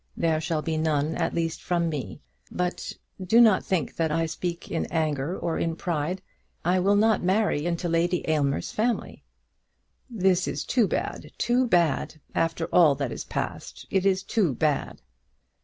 There shall be none at least from me. But, do not think that I speak in anger or in pride, I will not marry into Lady Aylmer's family." "This is too bad, too bad! After all that is past, it is too bad!"